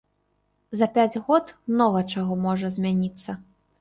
За пяць год многа чаго можа змяніцца.